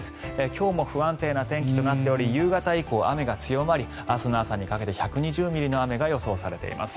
今日も不安定な天気となっており夕方以降、雨が強まり明日の朝にかけて１２０ミリの雨が予想されています。